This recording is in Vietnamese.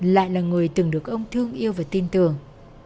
lại là người từng được ông thương yêu và tin tưởng